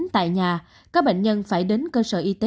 tại nhà có bệnh nhân phải đến cơ sở y tế